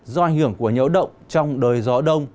do ảnh hưởng của nhẫu động trong đời gió đông